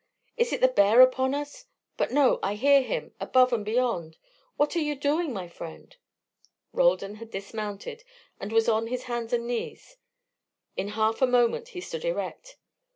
"Is it the bear upon us? But, no, I hear him above and beyond. What are you doing, my friend?" Roldan had dismounted and was on his hands and knees. In a half moment he stood erect.